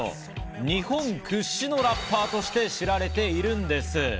日本屈指のラッパーとして知られているんです。